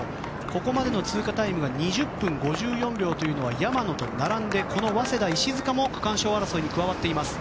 ここまで通過タイムが２０分５０秒というのは山野と並んでこの早稲田、石塚も区間賞争いに加わっています。